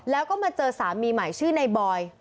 แล้วก็มาเจอสามีใหม่ชื่อในบอย